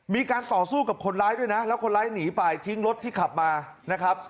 มีการต่อสู้กับคนร้ายด้วยนะแล้วคนร้ายหนีไปทิ้งรถที่ขับมานะครับ